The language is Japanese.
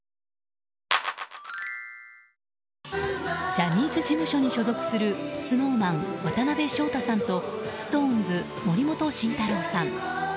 ジャニーズ事務所に所属するＳｎｏｗＭａｎ渡辺翔太さんとＳｉｘＴＯＮＥＳ森本慎太郎さん。